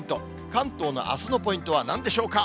関東のあすのポイントはなんでしょうか。